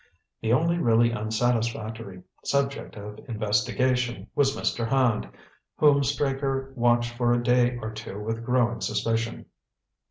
The only really unsatisfactory subject of investigation was Mr. Hand, whom Straker watched for a day or two with growing suspicion.